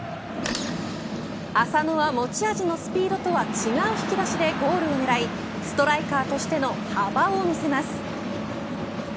浅野は、持ち味のスピードとは違う引き出しでゴールを狙いストライカーとしての幅を見せます。